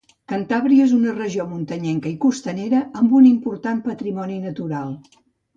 Cantàbria és una regió muntanyenca i costanera, amb un important patrimoni natural.